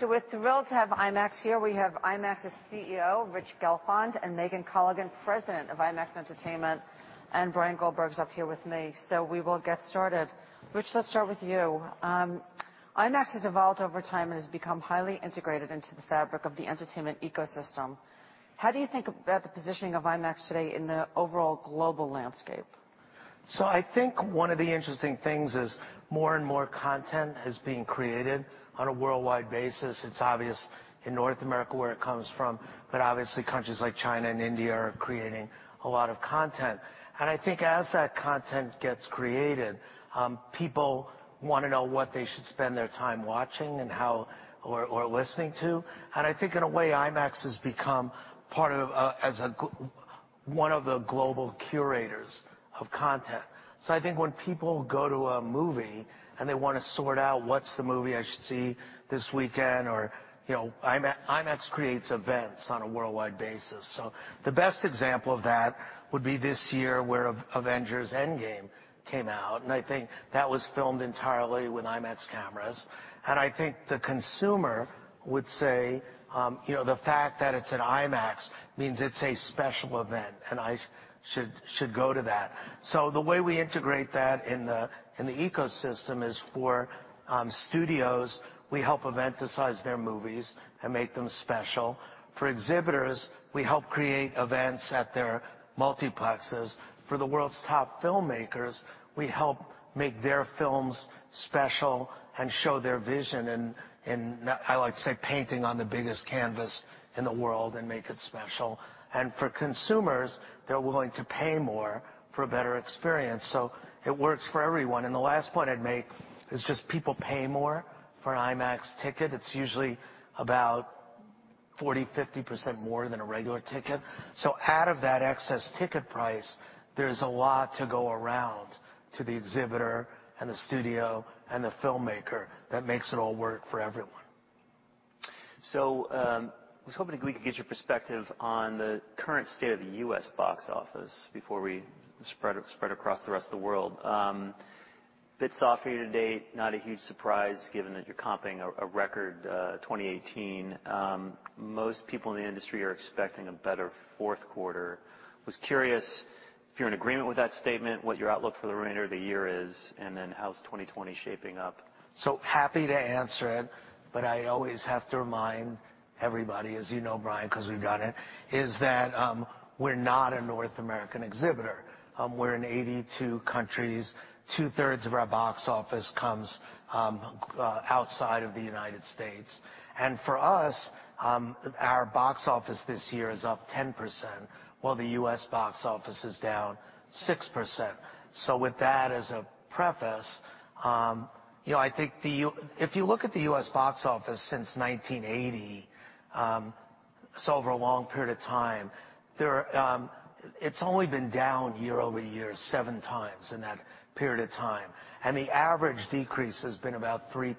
So we're thrilled to have IMAX here. We have IMAX's CEO, Rich Gelfond, and Megan Colligan, President of IMAX Entertainment, and Brian Goldberg's up here with me. So we will get started. Rich, let's start with you. IMAX has evolved over time and has become highly integrated into the fabric of the entertainment ecosystem. How do you think about the positioning of IMAX today in the overall global landscape? So I think one of the interesting things is more and more content is being created on a worldwide basis. It's obvious in North America where it comes from, but obviously countries like China and India are creating a lot of content. And I think as that content gets created, people want to know what they should spend their time watching and how or listening to. And I think in a way IMAX has become part of as one of the global curators of content. So I think when people go to a movie and they want to sort out what's the movie I should see this weekend or, you know, IMAX creates events on a worldwide basis. So the best example of that would be this year where Avengers: Endgame came out, and I think that was filmed entirely with IMAX cameras. And I think the consumer would say, you know, the fact that it's at IMAX means it's a special event and I should go to that. So the way we integrate that in the ecosystem is for studios, we help eventicize their movies and make them special. For exhibitors, we help create events at their multiplexes. For the world's top filmmakers, we help make their films special and show their vision in, I like to say, painting on the biggest canvas in the world and make it special. And for consumers, they're willing to pay more for a better experience. So it works for everyone. And the last point I'd make is just people pay more for an IMAX ticket. It's usually about 40%-50% more than a regular ticket. So out of that excess ticket price, there's a lot to go around to the exhibitor and the studio and the filmmaker that makes it all work for everyone. I was hoping we could get your perspective on the current state of the U.S. box office before we spread across the rest of the world. It's off year to date, not a huge surprise given that you're comping a record 2018. Most people in the industry are expecting a better fourth quarter. I was curious if you're in agreement with that statement, what your outlook for the remainder of the year is, and then how's 2020 shaping up? So happy to answer it, but I always have to remind everybody, as you know, Brian, because we've done it, is that we're not a North American exhibitor. We're in 82 countries. Two-thirds of our box office comes outside of the United States. And for us, our box office this year is up 10%, while the U.S. box office is down 6%. So with that as a preface, you know, I think if you look at the U.S. box office since 1980, so over a long period of time, it's only been down year-over-year seven times in that period of time. And the average decrease has been about 3%.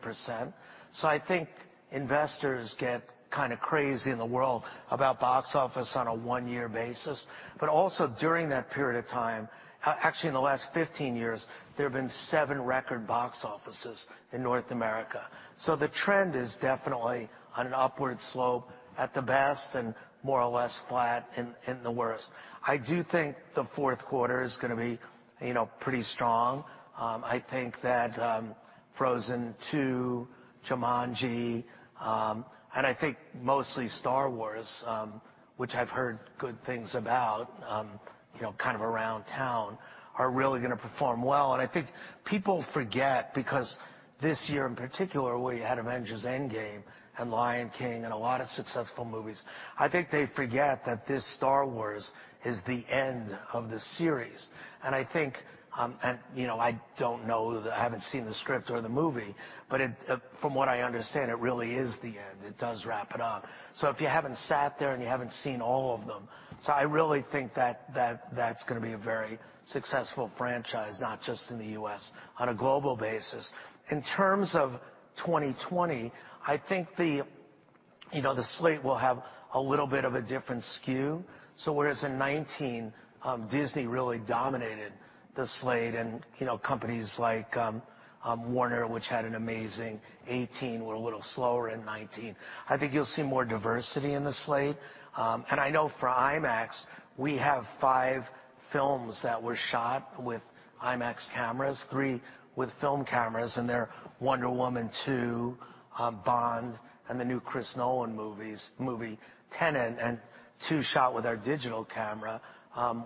So I think investors get kind of crazy in the world about box office on a one-year basis. But also during that period of time, actually in the last 15 years, there have been seven record box offices in North America. So the trend is definitely on an upward slope at the best and more or less flat in the worst. I do think the fourth quarter is going to be, you know, pretty strong. I think that Frozen 2, Jumanji, and I think mostly Star Wars, which I've heard good things about, you know, kind of around town, are really going to perform well. And I think people forget because this year in particular, we had Avengers: Endgame and Lion King and a lot of successful movies. I think they forget that this Star Wars is the end of the series. I think, and you know, I don't know, I haven't seen the script or the movie, but from what I understand, it really is the end. It does wrap it up. So if you haven't sat there and you haven't seen all of them, so I really think that that's going to be a very successful franchise, not just in the U.S., on a global basis. In terms of 2020, I think the, you know, the slate will have a little bit of a different skew. So whereas in 2019, Disney really dominated the slate and, you know, companies like Warner, which had an amazing 2018, were a little slower in 2019. I think you'll see more diversity in the slate. And I know for IMAX, we have five films that were shot with IMAX cameras, three with film cameras, and they're Wonder Woman 2, Bond, and the new Chris Nolan movie, Tenet, and two shot with our digital camera,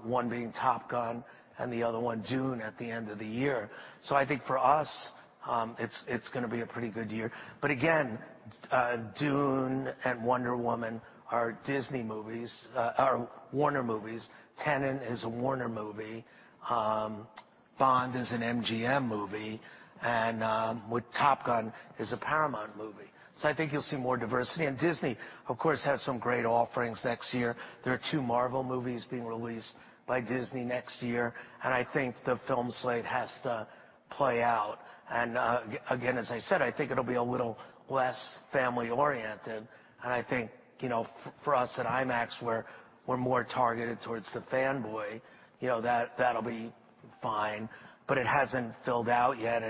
one being Top Gun and the other one Dune at the end of the year. So I think for us, it's going to be a pretty good year. But again, Dune and Wonder Woman are Disney movies, are Warner movies. Tenet is a Warner movie. Bond is an MGM movie. And with Top Gun is a Paramount movie. So I think you'll see more diversity. And Disney, of course, has some great offerings next year. There are two Marvel movies being released by Disney next year. And I think the film slate has to play out. And again, as I said, I think it'll be a little less family-oriented. I think, you know, for us at IMAX, we're more targeted towards the fanboy. You know, that'll be fine. It hasn't filled out yet.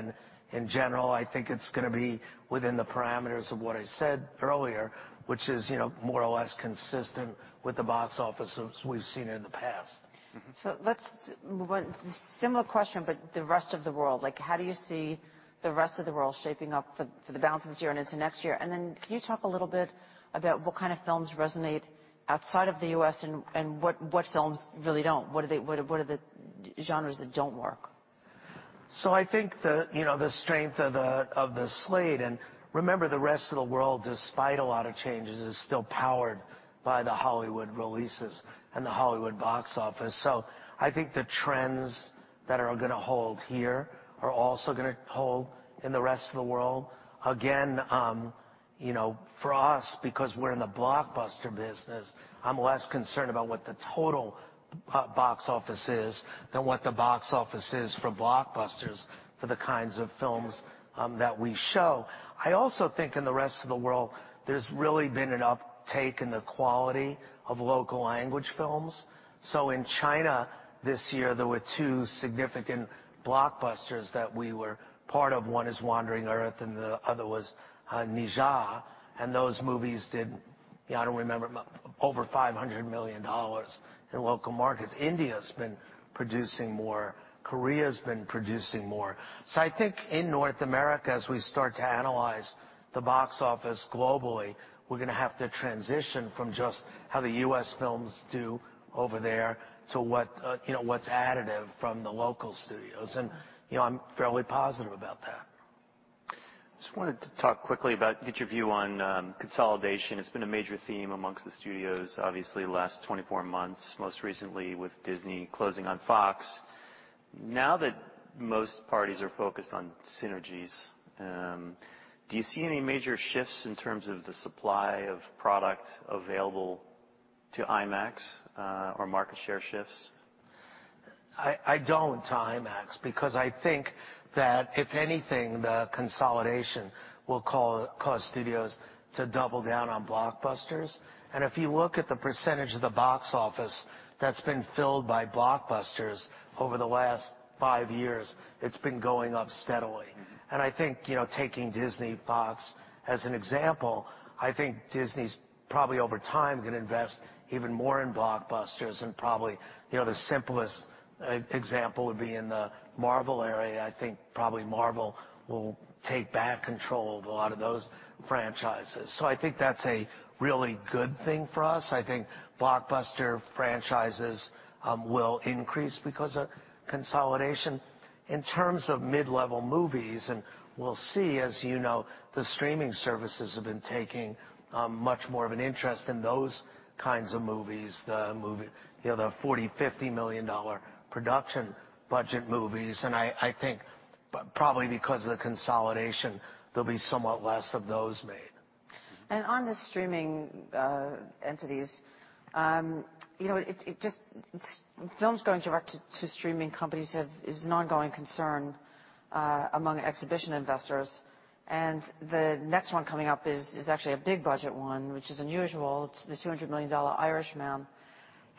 In general, I think it's going to be within the parameters of what I said earlier, which is, you know, more or less consistent with the box office we've seen in the past. So let's move on to the similar question, but the rest of the world. Like, how do you see the rest of the world shaping up for the balance of this year and into next year? And then can you talk a little bit about what kind of films resonate outside of the U.S. and what films really don't? What are the genres that don't work? So I think the, you know, the strength of the slate, and remember the rest of the world, despite a lot of changes, is still powered by the Hollywood releases and the Hollywood box office. So I think the trends that are going to hold here are also going to hold in the rest of the world. Again, you know, for us, because we're in the blockbuster business, I'm less concerned about what the total box office is than what the box office is for blockbusters for the kinds of films that we show. I also think in the rest of the world, there's really been an uptake in the quality of local language films. So in China this year, there were two significant blockbusters that we were part of. One is Wandering Earth, and the other was Ne Zha. And those movies did, you know, I don't remember, over $500 million in local markets. India's been producing more. Korea's been producing more. So I think in North America, as we start to analyze the box office globally, we're going to have to transition from just how the U.S. films do over there to what, you know, what's additive from the local studios. And, you know, I'm fairly positive about that. I just wanted to talk quickly about, get your view on consolidation. It's been a major theme among the studios, obviously, the last 24 months, most recently with Disney closing on Fox. Now that most parties are focused on synergies, do you see any major shifts in terms of the supply of product available to IMAX or market share shifts? I don't IMAX because I think that, if anything, the consolidation will cause studios to double down on blockbusters. And if you look at the percentage of the box office that's been filled by blockbusters over the last five years, it's been going up steadily. And I think, you know, taking Disney/Fox as an example, I think Disney's probably over time going to invest even more in blockbusters. And probably, you know, the simplest example would be in the Marvel area. I think probably Marvel will take back control of a lot of those franchises. So I think that's a really good thing for us. I think blockbuster franchises will increase because of consolidation. In terms of mid-level movies, and we'll see, as you know, the streaming services have been taking much more of an interest in those kinds of movies, the movie, you know, the $40 million-$50 million production budget movies. And I think probably because of the consolidation, there'll be somewhat less of those made. On the streaming entities, you know, just films going direct to streaming companies is an ongoing concern among exhibition investors. The next one coming up is actually a big budget one, which is unusual. It's the $200 million Irishman.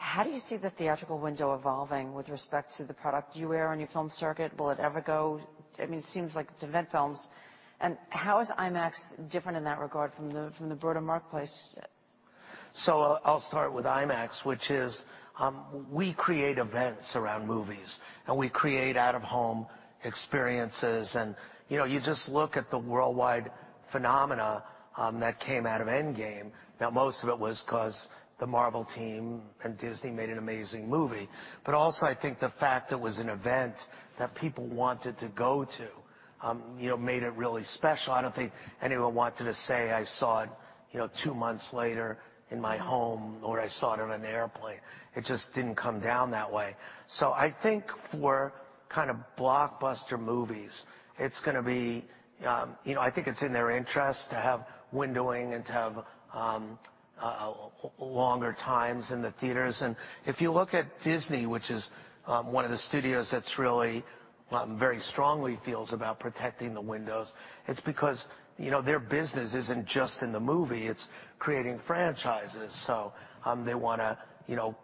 How do you see the theatrical window evolving with respect to the product you run on your film circuit? Will it ever go? I mean, it seems like it's event films. How is IMAX different in that regard from the broader marketplace? So I'll start with IMAX, which is we create events around movies and we create out-of-home experiences. And, you know, you just look at the worldwide phenomena that came out of Endgame. Now, most of it was because the Marvel team and Disney made an amazing movie. But also, I think the fact it was an event that people wanted to go to, you know, made it really special. I don't think anyone wanted to say, "I saw it, you know, two months later in my home," or, "I saw it on an airplane." It just didn't come down that way. So I think for kind of blockbuster movies, it's going to be, you know, I think it's in their interest to have windowing and to have longer times in the theaters. And if you look at Disney, which is one of the studios that's really very strongly feels about protecting the windows, it's because, you know, their business isn't just in the movie. It's creating franchises. So they want to, you know,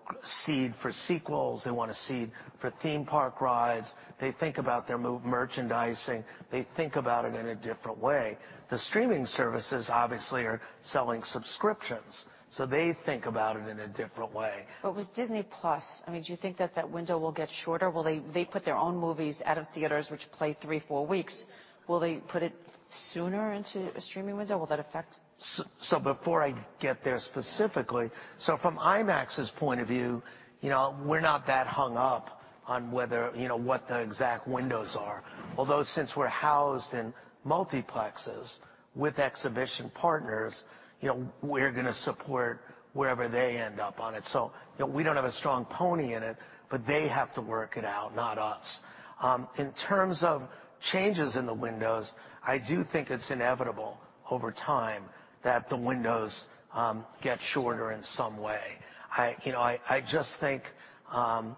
seed for sequels. They want to seed for theme park rides. They think about their merchandising. They think about it in a different way. The streaming services, obviously, are selling subscriptions. So they think about it in a different way. But with Disney+, I mean, do you think that that window will get shorter? Will they put their own movies out of theaters, which play three, four weeks? Will they put it sooner into a streaming window? Will that affect? So before I get there specifically, from IMAX's point of view, you know, we're not that hung up on whether, you know, what the exact windows are. Although since we're housed in multiplexes with exhibition partners, you know, we're going to support wherever they end up on it. So, you know, we don't have a strong pony in it, but they have to work it out, not us. In terms of changes in the windows, I do think it's inevitable over time that the windows get shorter in some way. I, you know, I just think, and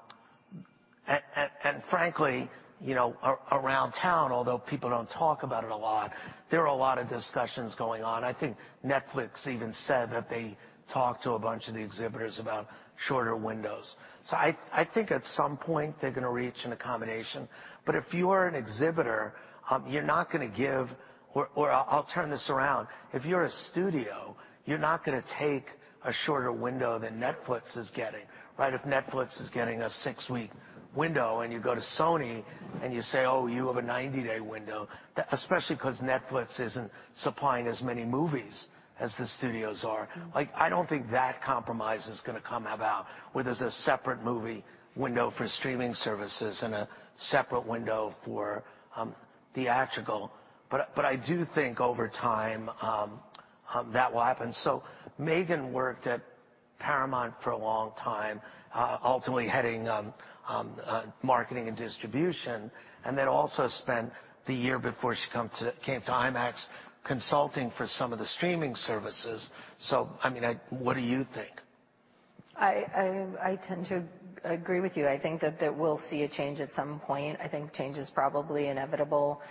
frankly, you know, around town, although people don't talk about it a lot, there are a lot of discussions going on. I think Netflix even said that they talked to a bunch of the exhibitors about shorter windows. So I think at some point they're going to reach an accommodation. But if you are an exhibitor, you're not going to give, or I'll turn this around. If you're a studio, you're not going to take a shorter window than Netflix is getting, right? If Netflix is getting a six-week window and you go to Sony and you say, "Oh, you have a 90-day window," especially because Netflix isn't supplying as many movies as the studios are. Like, I don't think that compromise is going to come about where there's a separate movie window for streaming services and a separate window for theatrical. But I do think over time that will happen. So Megan worked at Paramount for a long time, ultimately heading marketing and distribution, and then also spent the year before she came to IMAX consulting for some of the streaming services. So, I mean, what do you think? I tend to agree with you. I think that we'll see a change at some point. I think change is probably inevitable.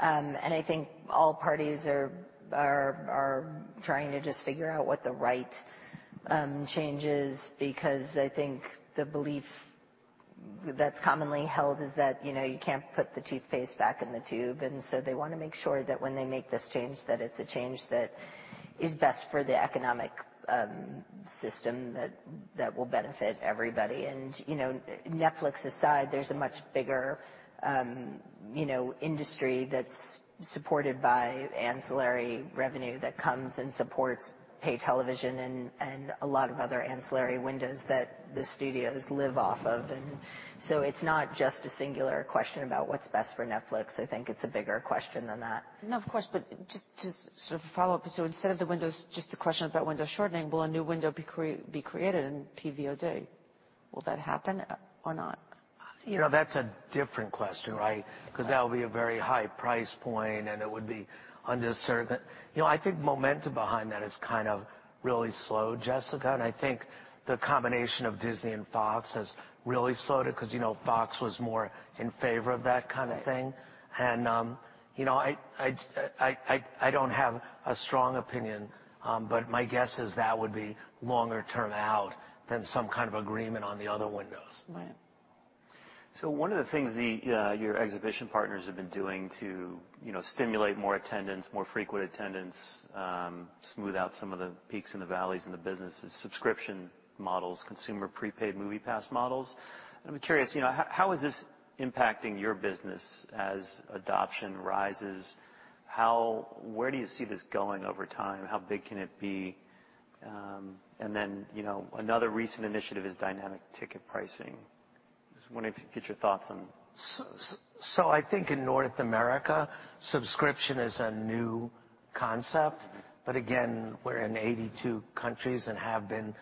And I think all parties are trying to just figure out what the right change is because I think the belief that's commonly held is that, you know, you can't put the toothpaste back in the tube. And so they want to make sure that when they make this change, that it's a change that is best for the economic system that will benefit everybody. And, you know, Netflix aside, there's a much bigger, you know, industry that's supported by ancillary revenue that comes and supports pay television and a lot of other ancillary windows that the studios live off of. And so it's not just a singular question about what's best for Netflix. I think it's a bigger question than that. No, of course. But just sort of a follow-up. So instead of the windows, just the question about window shortening, will a new window be created in PVOD? Will that happen or not? You know, that's a different question, right? Because that will be a very high price point and it would be undiscussed. You know, I think momentum behind that has kind of really slowed, Jessica, and I think the combination of Disney and Fox has really slowed it because, you know, Fox was more in favor of that kind of thing, and, you know, I don't have a strong opinion, but my guess is that would be longer term out than some kind of agreement on the other windows. Right. So one of the things your exhibition partners have been doing to, you know, stimulate more attendance, more frequent attendance, smooth out some of the peaks and the valleys in the business is subscription models, consumer prepaid movie pass models. And I'm curious, you know, how is this impacting your business as adoption rises? How, where do you see this going over time? How big can it be? And then, you know, another recent initiative is dynamic ticket pricing. I was wondering if you could get your thoughts on. So I think in North America, subscription is a new concept. But again, we're in 82 countries and have been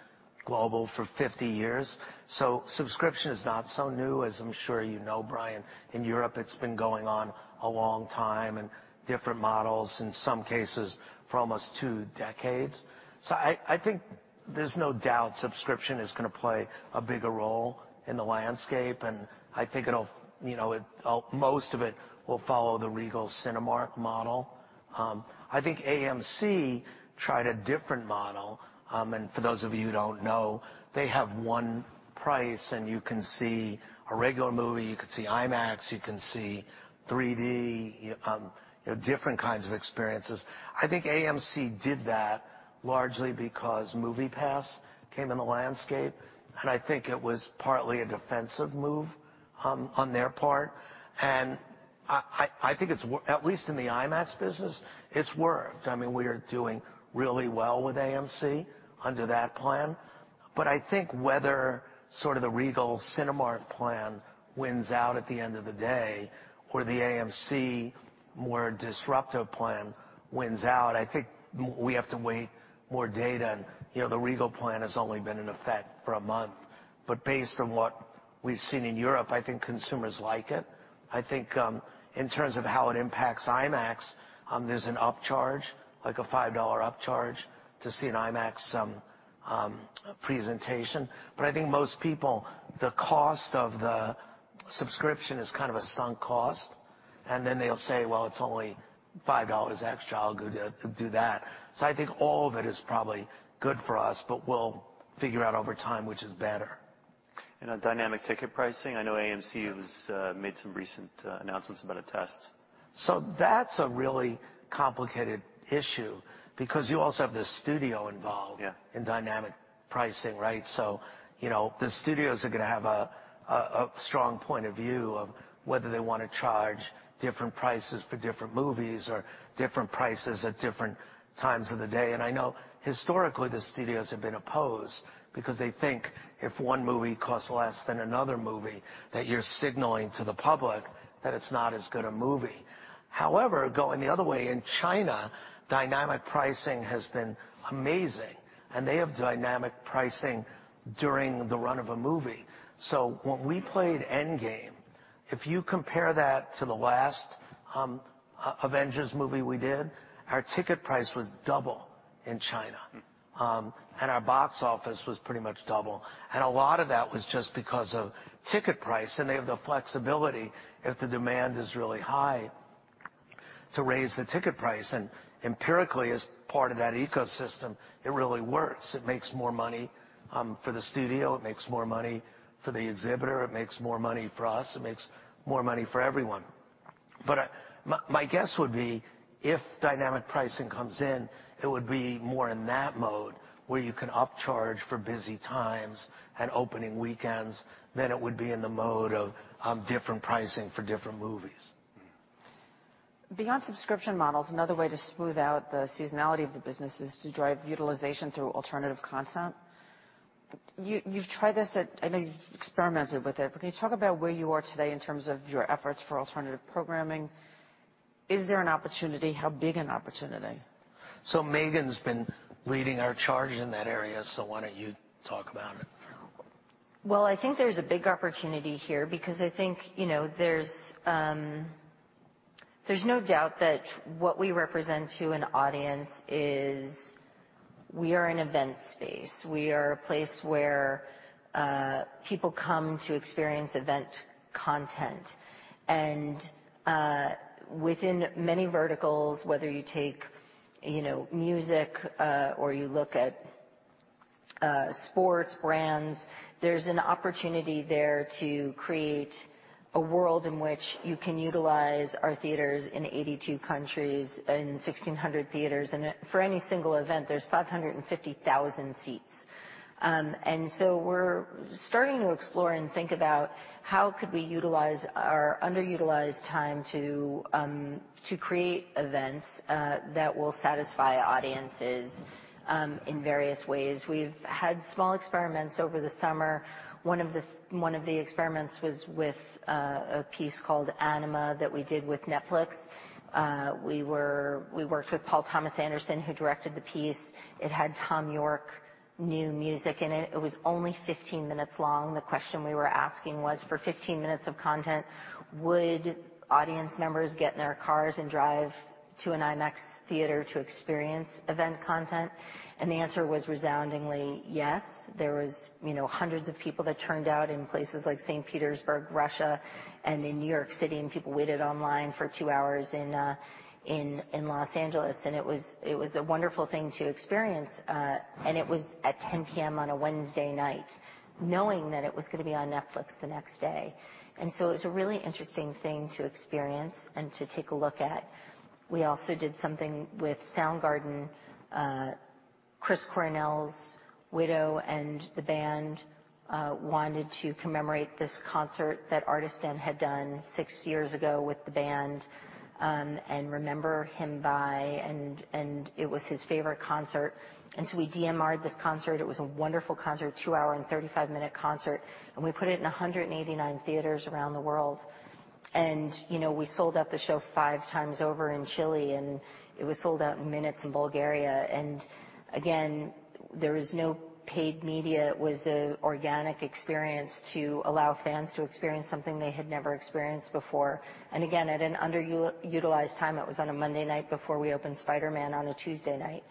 global for 50 years. So subscription is not so new, as I'm sure you know, Brian. In Europe, it's been going on a long time and different models in some cases for almost two decades. So I think there's no doubt subscription is going to play a bigger role in the landscape. And I think it'll, you know, most of it will follow the Regal Cinemark model. I think AMC tried a different model. And for those of you who don't know, they have one price and you can see a regular movie, you can see IMAX, you can see 3D, you know, different kinds of experiences. I think AMC did that largely because MoviePass came in the landscape. I think it was partly a defensive move on their part. I think it's, at least in the IMAX business, it's worked. I mean, we are doing really well with AMC under that plan. I think whether sort of the Regal Cinemark plan wins out at the end of the day or the AMC more disruptive plan wins out, I think we have to wait more data. You know, the Regal plan has only been in effect for a month. Based on what we've seen in Europe, I think consumers like it. I think in terms of how it impacts IMAX, there's an upcharge, like a $5 upcharge to see an IMAX presentation. I think most people, the cost of the subscription is kind of a sunk cost. They'll say, "Well, it's only $5 extra. I'll do that." So I think all of it is probably good for us, but we'll figure out over time which is better. On dynamic ticket pricing, I know AMC has made some recent announcements about a test. So that's a really complicated issue because you also have the studio involved in dynamic pricing, right? So, you know, the studios are going to have a strong point of view of whether they want to charge different prices for different movies or different prices at different times of the day. And I know historically the studios have been opposed because they think if one movie costs less than another movie, that you're signaling to the public that it's not as good a movie. However, going the other way, in China, dynamic pricing has been amazing. And they have dynamic pricing during the run of a movie. So when we played Endgame, if you compare that to the last Avengers movie we did, our ticket price was double in China. And our box office was pretty much double. And a lot of that was just because of ticket price. And they have the flexibility, if the demand is really high, to raise the ticket price. And empirically, as part of that ecosystem, it really works. It makes more money for the studio. It makes more money for the exhibitor. It makes more money for us. It makes more money for everyone. But my guess would be if dynamic pricing comes in, it would be more in that mode where you can upcharge for busy times and opening weekends. Then it would be in the mode of different pricing for different movies. Beyond subscription models, another way to smooth out the seasonality of the business is to drive utilization through alternative content. You've tried this. I know you've experimented with it. But can you talk about where you are today in terms of your efforts for alternative programming? Is there an opportunity? How big an opportunity? So Megan's been leading our charge in that area. So why don't you talk about it? I think there's a big opportunity here because I think, you know, there's no doubt that what we represent to an audience is we are an event space. We are a place where people come to experience event content. And within many verticals, whether you take, you know, music or you look at sports brands, there's an opportunity there to create a world in which you can utilize our theaters in 82 countries and 1,600 theaters. And for any single event, there's 550,000 seats. And so we're starting to explore and think about how could we utilize our underutilized time to create events that will satisfy audiences in various ways. We've had small experiments over the summer. One of the experiments was with a piece called Anima that we did with Netflix. We worked with Paul Thomas Anderson, who directed the piece. It had Thom Yorke's new music in it. It was only 15 minutes long. The question we were asking was, for 15 minutes of content, would audience members get in their cars and drive to an IMAX theater to experience event content? And the answer was resoundingly yes. There was, you know, hundreds of people that turned out in places like St. Petersburg, Russia, and in New York City, and people waited in line for two hours in Los Angeles. And it was a wonderful thing to experience. And it was at 10:00 P.M. on a Wednesday night, knowing that it was going to be on Netflix the next day. And so it was a really interesting thing to experience and to take a look at. We also did something with Soundgarden. Chris Cornell's widow and the band wanted to commemorate this concert that The Artists Den had done six years ago with the band and remember him by, it was his favorite concert. So we DMR'd this concert. It was a wonderful concert, two-hour and 35-minute concert. We put it in 189 theaters around the world. You know, we sold out the show five times over in Chile. It was sold out in minutes in Bulgaria. Again, there was no paid media. It was an organic experience to allow fans to experience something they had never experienced before. Again, at an underutilized time, it was on a Monday night before we opened Spider-Man on a Tuesday night.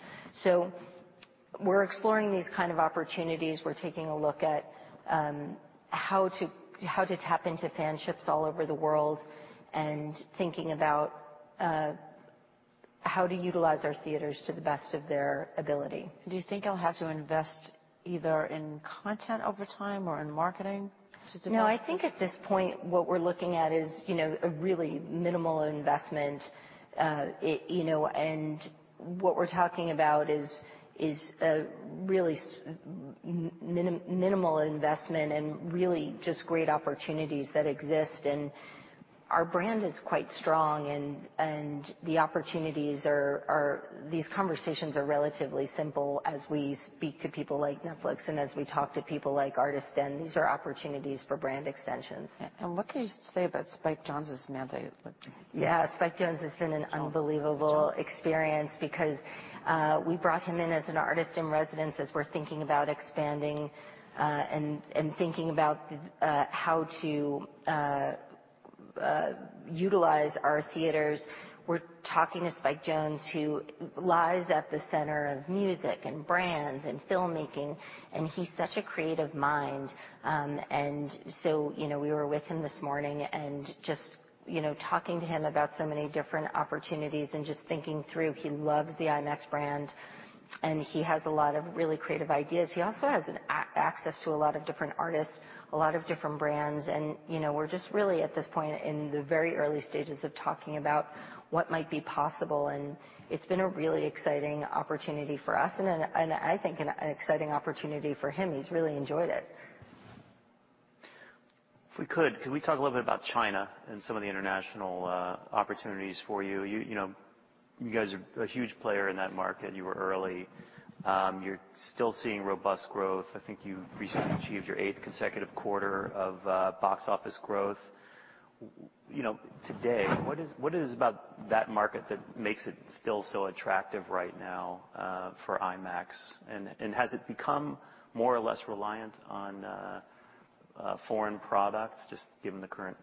We're exploring these kinds of opportunities. We're taking a look at how to tap into franchises all over the world and thinking about how to utilize our theaters to the best of their ability. Do you think you'll have to invest either in content over time or in marketing? No, I think at this point what we're looking at is, you know, a really minimal investment. You know, and what we're talking about is really minimal investment and really just great opportunities that exist, and our brand is quite strong, and the opportunities are, these conversations are relatively simple as we speak to people like Netflix and as we talk to people like Artists Den. These are opportunities for brand extensions. What can you say about Spike Jonze's mandate? Yeah, Spike Jonze has been an unbelievable experience because we brought him in as an artist in residence as we're thinking about expanding and thinking about how to utilize our theaters. We're talking to Spike Jonze, who lies at the center of music and brands and filmmaking. And he's such a creative mind. And so, you know, we were with him this morning and just, you know, talking to him about so many different opportunities and just thinking through. He loves the IMAX brand. And he has a lot of really creative ideas. He also has access to a lot of different artists, a lot of different brands. And, you know, we're just really at this point in the very early stages of talking about what might be possible. And it's been a really exciting opportunity for us and I think an exciting opportunity for him. He's really enjoyed it. If we could, can we talk a little bit about China and some of the international opportunities for you? You know, you guys are a huge player in that market. You were early. You're still seeing robust growth. I think you recently achieved your eighth consecutive quarter of box office growth. You know, today, what is about that market that makes it still so attractive right now for IMAX? And has it become more or less reliant on foreign products, just given the current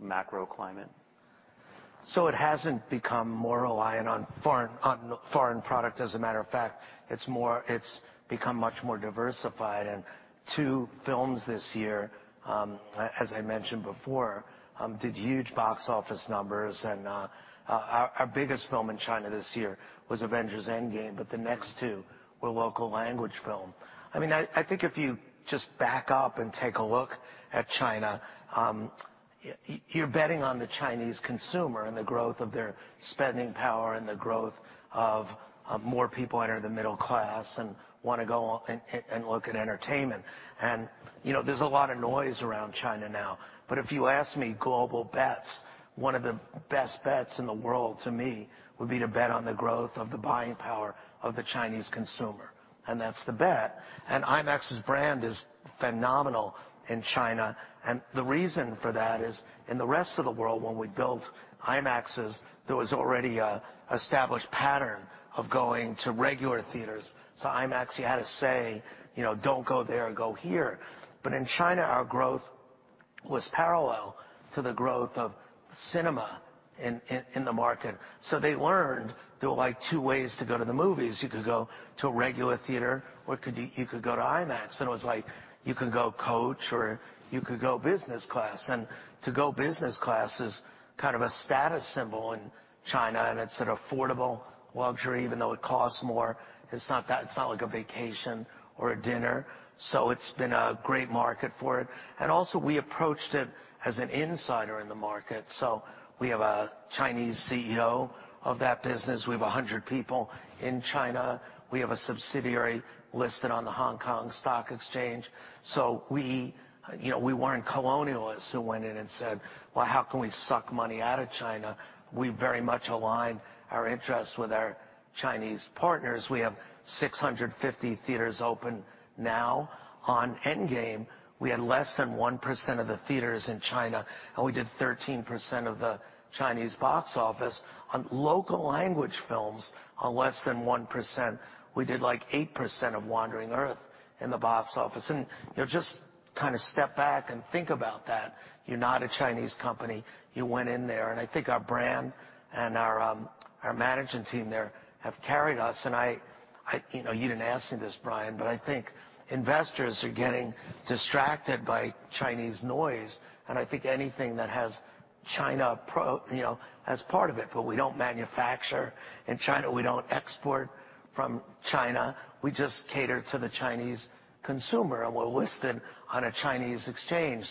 macro climate? So it hasn't become more reliant on foreign products. As a matter of fact, it's become much more diversified. And two films this year, as I mentioned before, did huge box office numbers. And our biggest film in China this year was Avengers: Endgame. But the next two were local language films. I mean, I think if you just back up and take a look at China, you're betting on the Chinese consumer and the growth of their spending power and the growth of more people entering the middle class and want to go and look at entertainment. And, you know, there's a lot of noise around China now. But if you ask me, global bets, one of the best bets in the world to me would be to bet on the growth of the buying power of the Chinese consumer. And that's the bet. IMAX's brand is phenomenal in China. The reason for that is in the rest of the world, when we built IMAXes, there was already an established pattern of going to regular theaters. IMAX, you had to say, you know, don't go there, go here. In China, our growth was parallel to the growth of cinema in the market. They learned there were like two ways to go to the movies. You could go to a regular theater or you could go to IMAX. It was like you could go coach or you could go business class. To go business class is kind of a status symbol in China. It's an affordable luxury, even though it costs more. It's not like a vacation or a dinner. It's been a great market for it. And also, we approached it as an insider in the market. So we have a Chinese CEO of that business. We have 100 people in China. We have a subsidiary listed on the Hong Kong Stock Exchange. So we, you know, we weren't colonialists who went in and said, well, how can we suck money out of China? We very much align our interests with our Chinese partners. We have 650 theaters open now. On Endgame, we had less than 1% of the theaters in China. And we did 13% of the Chinese box office on local language films on less than 1%. We did like 8% of Wandering Earth in the box office. And, you know, just kind of step back and think about that. You're not a Chinese company. You went in there. And I think our brand and our management team there have carried us. I, you know, you didn't ask me this, Brian, but I think investors are getting distracted by Chinese noise. I think anything that has China, you know, as part of it, but we don't manufacture in China. We don't export from China. We just cater to the Chinese consumer. We're listed on a Chinese exchange.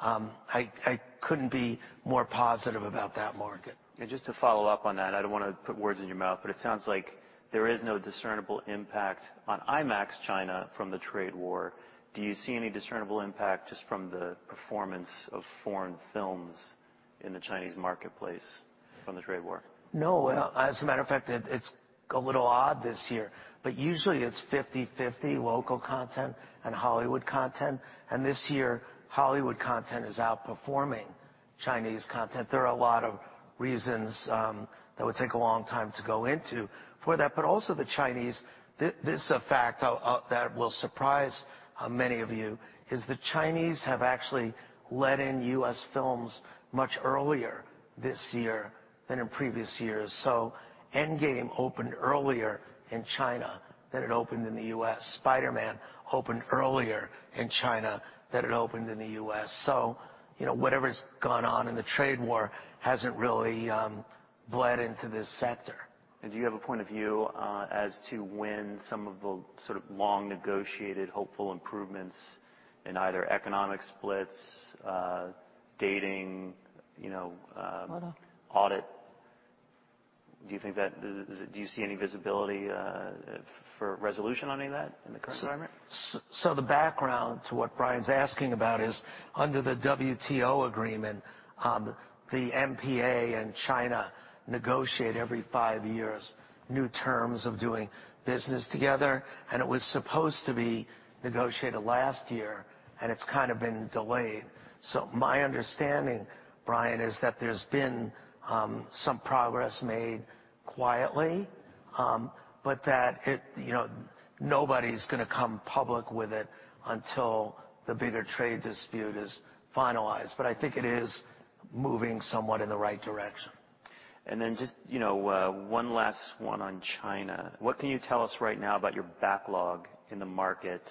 I couldn't be more positive about that market. Just to follow up on that, I don't want to put words in your mouth, but it sounds like there is no discernible impact on IMAX China from the trade war. Do you see any discernible impact just from the performance of foreign films in the Chinese marketplace from the trade war? No. As a matter of fact, it's a little odd this year, but usually it's 50/50 local content and Hollywood content, and this year, Hollywood content is outperforming Chinese content. There are a lot of reasons that would take a long time to go into for that, but also the Chinese, this is a fact that will surprise many of you, is the Chinese have actually let in U.S. films much earlier this year than in previous years, so Endgame opened earlier in China than it opened in the U.S., Spider-Man opened earlier in China than it opened in the U.S., so, you know, whatever's gone on in the trade war hasn't really bled into this sector. Do you have a point of view as to when some of the sort of long negotiated hopeful improvements in either economic splits, dating, you know, audit? Do you see any visibility for resolution on any of that in the current environment? The background to what Brian's asking about is under the WTO agreement. The MPA and China negotiate every five years new terms of doing business together. It was supposed to be negotiated last year. It's kind of been delayed. My understanding, Brian, is that there's been some progress made quietly, but that, you know, nobody's going to come public with it until the bigger trade dispute is finalized. I think it is moving somewhat in the right direction. And then just, you know, one last one on China. What can you tell us right now about your backlog in the market,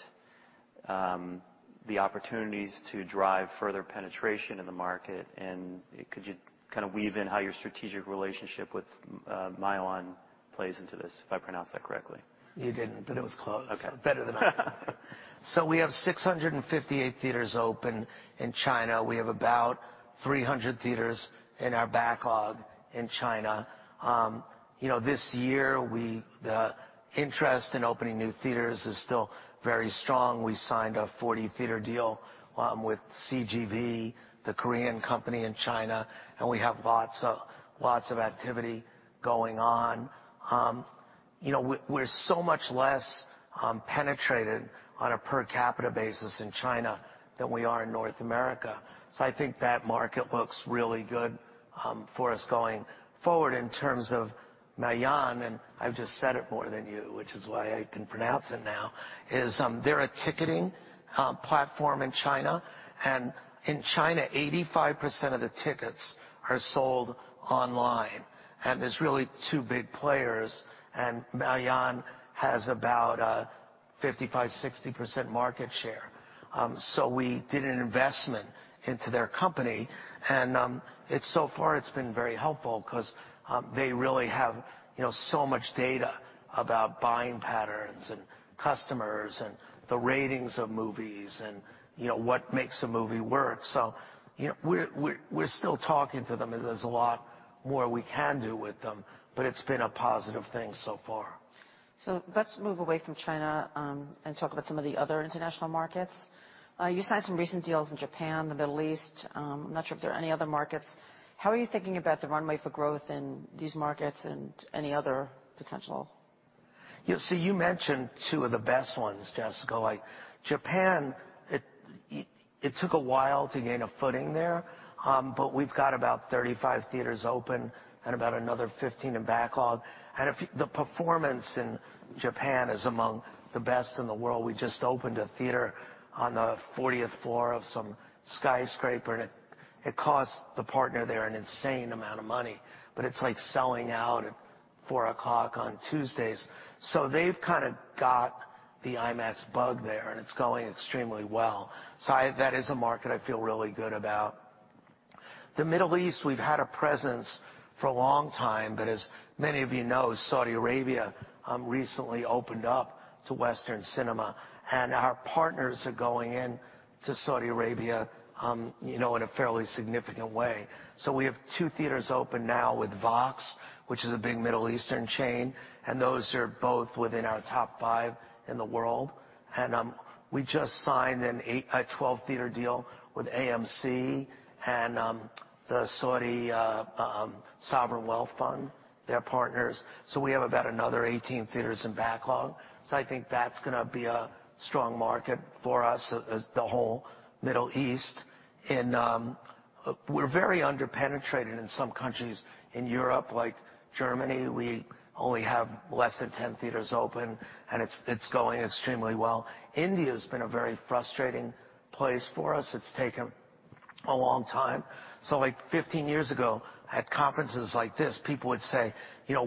the opportunities to drive further penetration in the market? And could you kind of weave in how your strategic relationship with Maoyan plays into this, if I pronounce that correctly? You didn't, but it was close. Okay. Better than I thought. We have 658 theaters open in China. We have about 300 theaters in our backlog in China. You know, this year, the interest in opening new theaters is still very strong. We signed a 40-theater deal with CGV, the Korean company in China. We have lots of activity going on. You know, we're so much less penetrated on a per capita basis in China than we are in North America. That market looks really good for us going forward in terms of Maoyan. I've just said it more than you, which is why I can pronounce it now. They're a ticketing platform in China. In China, 85% of the tickets are sold online. There's really two big players. Maoyan has about 55%-60% market share. We did an investment into their company. And so far, it's been very helpful because they really have, you know, so much data about buying patterns and customers and the ratings of movies and, you know, what makes a movie work. So, you know, we're still talking to them. There's a lot more we can do with them. But it's been a positive thing so far. So let's move away from China and talk about some of the other international markets. You signed some recent deals in Japan, the Middle East. I'm not sure if there are any other markets. How are you thinking about the runway for growth in these markets and any other potential? Yeah. So you mentioned two of the best ones, Jessica. Like Japan, it took a while to gain a footing there, but we've got about 35 theaters open and about another 15 in backlog. And the performance in Japan is among the best in the world. We just opened a theater on the 40th floor of some skyscraper, and it cost the partner there an insane amount of money, but it's like selling out at 4 o'clock on Tuesdays. So they've kind of got the IMAX bug there, and it's going extremely well. So that is a market I feel really good about. The Middle East, we've had a presence for a long time, but as many of you know, Saudi Arabia recently opened up to Western cinema, and our partners are going into Saudi Arabia, you know, in a fairly significant way. We have two theaters open now with VOX, which is a big Middle Eastern chain. And those are both within our top five in the world. And we just signed a 12-theater deal with AMC and the Saudi Sovereign Wealth Fund, their partners. So we have about another 18 theaters in backlog. So I think that's going to be a strong market for us as the whole Middle East. And we're very underpenetrated in some countries in Europe like Germany. We only have less than 10 theaters open. And it's going extremely well. India has been a very frustrating place for us. It's taken a long time. So like 15 years ago, at conferences like this, people would say, you know,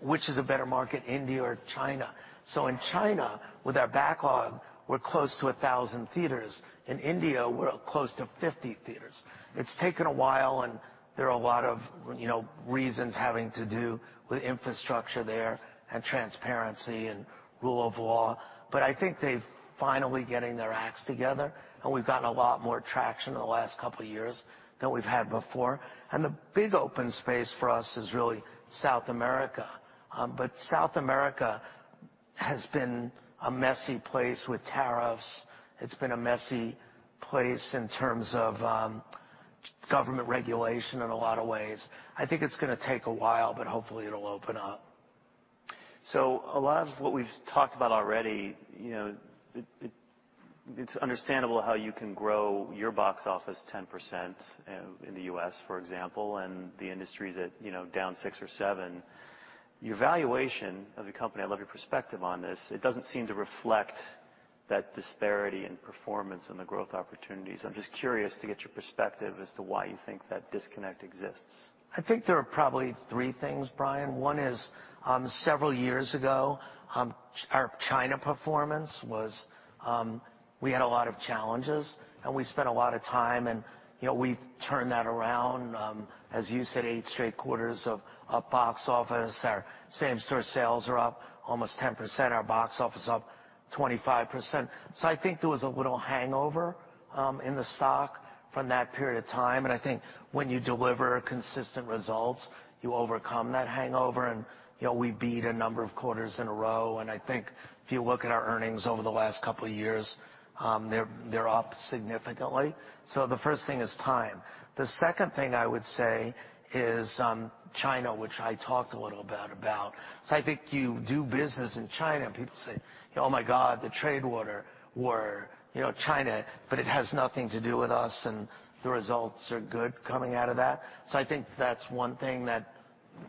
which is a better market, India or China? So in China, with our backlog, we're close to 1,000 theaters. In India, we're close to 50 theaters. It's taken a while. And there are a lot of, you know, reasons having to do with infrastructure there and transparency and rule of law. But I think they're finally getting their acts together. And we've gotten a lot more traction in the last couple of years than we've had before. And the big open space for us is really South America. But South America has been a messy place with tariffs. It's been a messy place in terms of government regulation in a lot of ways. I think it's going to take a while, but hopefully it'll open up. A lot of what we've talked about already, you know, it's understandable how you can grow your box office 10% in the U.S., for example, and the industry is at, you know, down 6% or 7%. Your valuation of the company, I love your perspective on this, it doesn't seem to reflect that disparity in performance and the growth opportunities. I'm just curious to get your perspective as to why you think that disconnect exists. I think there are probably three things, Brian. One is several years ago, our China performance was we had a lot of challenges. We spent a lot of time. You know, we've turned that around. As you said, eight straight quarters of box office. Our same-store sales are up almost 10%. Our box office is up 25%. So I think there was a little hangover in the stock from that period of time. When you deliver consistent results, you overcome that hangover. You know, we beat a number of quarters in a row. If you look at our earnings over the last couple of years, they're up significantly. The first thing is time. The second thing I would say is China, which I talked a little bit about. I think you do business in China. And people say, oh my God, the trade war, you know, China, but it has nothing to do with us. And the results are good coming out of that. So I think that's one thing that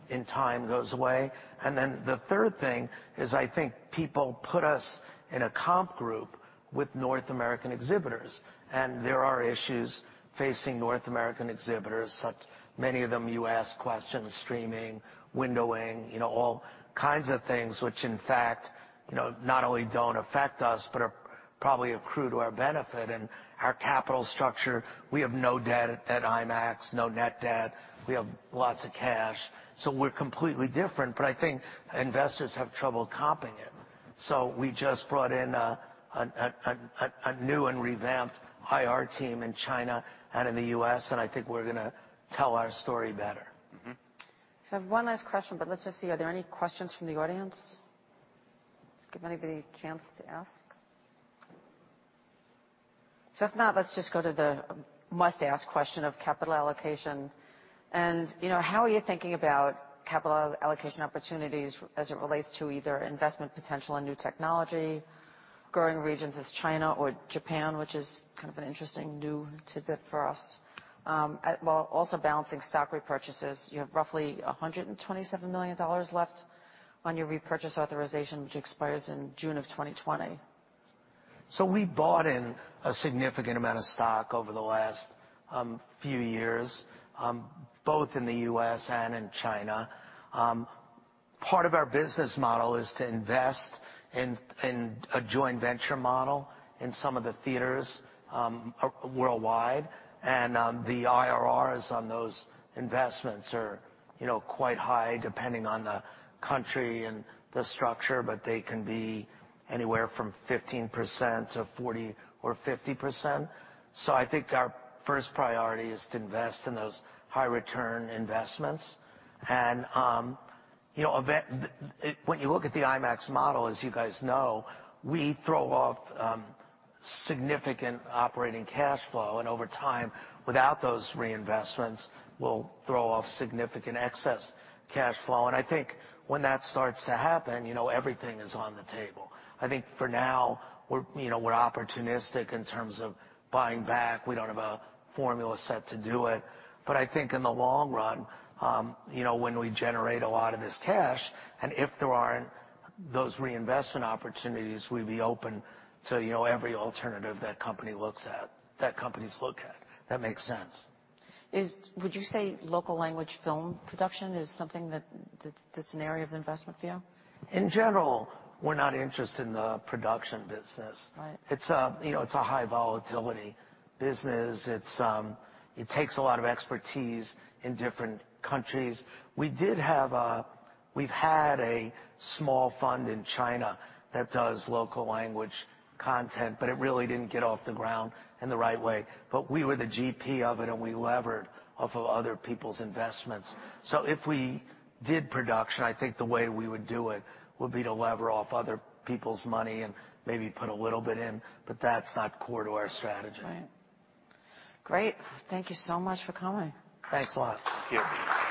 in time goes away. And then the third thing is I think people put us in a comp group with North American exhibitors. And there are issues facing North American exhibitors, such many of them you ask questions, streaming, windowing, you know, all kinds of things, which in fact, you know, not only don't affect us, but are probably accrued to our benefit. And our capital structure, we have no debt at IMAX, no net debt. We have lots of cash. So we're completely different. But I think investors have trouble comping it. So we just brought in a new and revamped IR team in China and in the U.S. I think we're going to tell our story better. So I have one last question. But let's just see, are there any questions from the audience? Let's give anybody a chance to ask. So if not, let's just go to the must-ask question of capital allocation. And, you know, how are you thinking about capital allocation opportunities as it relates to either investment potential in new technology, growing regions as China or Japan, which is kind of an interesting new tidbit for us? While also balancing stock repurchases, you have roughly $127 million left on your repurchase authorization, which expires in June of 2020. So we bought in a significant amount of stock over the last few years, both in the U.S. and in China. Part of our business model is to invest in a joint venture model in some of the theaters worldwide. And the IRRs on those investments are, you know, quite high depending on the country and the structure. But they can be anywhere from 15%-40% or 50%. So I think our first priority is to invest in those high-return investments. And, you know, when you look at the IMAX model, as you guys know, we throw off significant operating cash flow. And over time, without those reinvestments, we'll throw off significant excess cash flow. And I think when that starts to happen, you know, everything is on the table. I think for now, we're, you know, opportunistic in terms of buying back. We don't have a formula set to do it. But I think in the long run, you know, when we generate a lot of this cash, and if there aren't those reinvestment opportunities, we'd be open to, you know, every alternative that company looks at, that companies look at. That makes sense. Would you say local language film production is something that's an area of investment for you? In general, we're not interested in the production business. It's, you know, it's a high-volatility business. It takes a lot of expertise in different countries. We did have, we've had a small fund in China that does local language content. But it really didn't get off the ground in the right way. But we were the GP of it. And we levered off of other people's investments. So if we did production, I think the way we would do it would be to lever off other people's money and maybe put a little bit in. But that's not core to our strategy. Right. Great. Thank you so much for coming. Thanks a lot. Thank you.